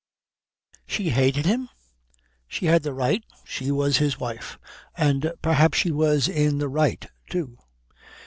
She hated him? She had the right, she was his wife. And perhaps she was in the right too.